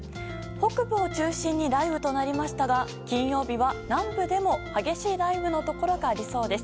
北部を中心に雷雨となりましたが金曜日は南部でも激しい雷雨のところがありそうです。